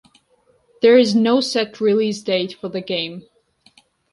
There is no set release date for the game.